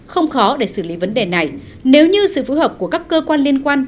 không khó để xử lý vấn đề này nếu như sự phối hợp của các cơ quan liên quan